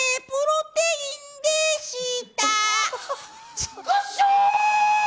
チクショー！！